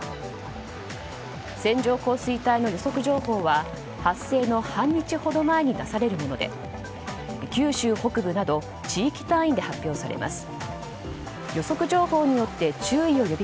線状降水帯の予測情報は発生の半日ほど前に出されるもので、九州北部など地域単位で発表されます。